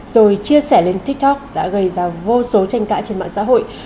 rồi chia sẻ lên tiktok đã gây ra vô số tranh cãi trên mạng xã hội